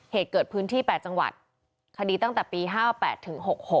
เหตุเกิดพื้นที่แปดจังหวัดคดีตั้งแต่ภาพปี๕๘๖๖